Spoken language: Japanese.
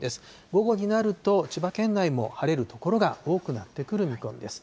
午後になると、千葉県内も晴れる所が多くなってくる見込みです。